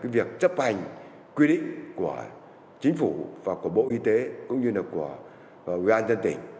việc chấp hành quy định của chính phủ và của bộ y tế cũng như là của ubnd